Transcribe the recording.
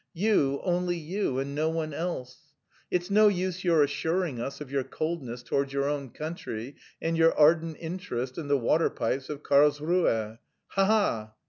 You, only you, and no one else. It's no use your assuring us of your coldness towards your own country and your ardent interest in the water pipes of Karlsruhe. Ha ha!"